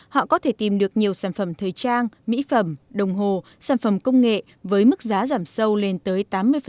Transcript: họ có thể tìm được nhiều sản phẩm thời trang mỹ phẩm đồng hồ sản phẩm công nghệ với mức giá giảm sâu lên tới tám mươi